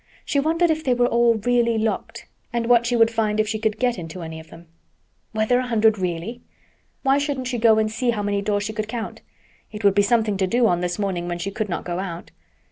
She wondered if they were all really locked and what she would find if she could get into any of them. Were there a hundred really? Why shouldn't she go and see how many doors she could count? It would be something to do on this morning when she could not go out.